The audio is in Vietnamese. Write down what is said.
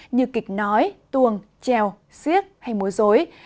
như kịch nói tuồng treo siết hay mối dối